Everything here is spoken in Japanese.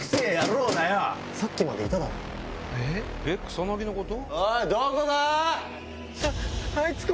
⁉草薙のこと？